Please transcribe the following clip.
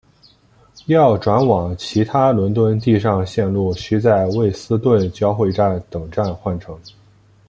要转往其他伦敦地上线路须在卫斯顿交汇站等站换乘。